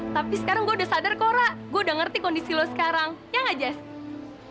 tapi sekarang gue udah sadar kok ra gue udah ngerti kondisi lo sekarang yang ajas